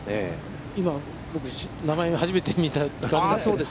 今、名前を初めて見たんですけど。